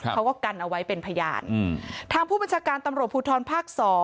เขาก็กันเอาไว้เป็นพยานทางผู้บัญชาการตำรวจภูทรภาค๒